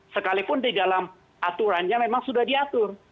sekalipun di dalam aturannya memang sudah diatur